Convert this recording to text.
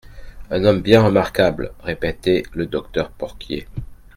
, Un homme bien remarquable, répétait le docteur Porquier.